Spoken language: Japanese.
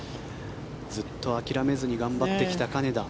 ずっと諦めずに頑張ってきた金田。